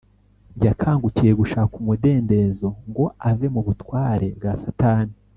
yakangukiye gushaka umudendezo ngo ave mu butware bwa satani